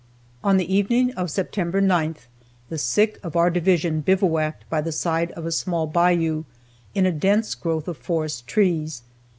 On the evening of September 9th, the sick of our division bivouacked by the side of a small bayou, in a dense growth of forest trees.